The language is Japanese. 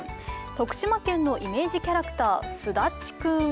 徳島県のイメージキャラクター、すだちくん。